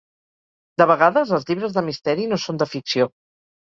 De vegades, els llibres de misteri no són de ficció.